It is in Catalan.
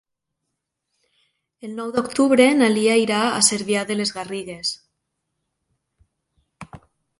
El nou d'octubre na Lia irà a Cervià de les Garrigues.